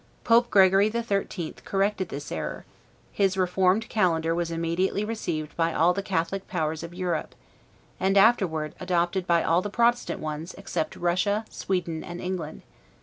Pope Gregory the Thirteenth corrected this error; his reformed calendar was immediately received by all the Catholic powers of Europe, and afterward adopted by all the Protestant ones, except Russia, Sweden, and England.